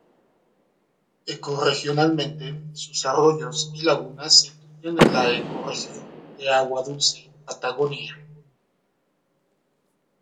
Ecorregionalmente sus arroyos y lagunas se incluyen en la ecorregión de agua dulce Patagonia.